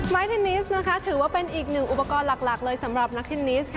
เทนนิสนะคะถือว่าเป็นอีกหนึ่งอุปกรณ์หลักเลยสำหรับนักเทนนิสค่ะ